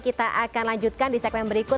kita akan lanjutkan di segmen berikut